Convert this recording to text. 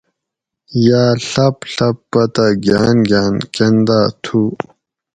یا ڷۤپ ڷۤپ پتہ گاۤن گاۤن کنداۤ تُھو